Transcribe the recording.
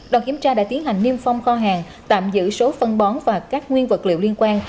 đoàn kiểm tra đã tiến hành niêm phong kho hàng tạm giữ số phân bón và các nguyên vật liệu liên quan